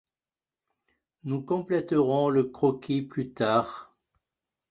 Nous compléterons le croquis plus tard.